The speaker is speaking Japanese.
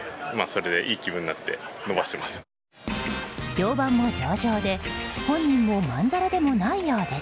評判も上々で本人もまんざらでもないようです。